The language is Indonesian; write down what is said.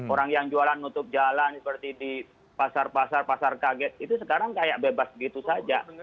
orang yang jualan nutup jalan seperti di pasar pasar pasar kaget itu sekarang kayak bebas begitu saja